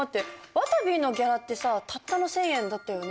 わたびのギャラってさたったの１，０００円だったよね？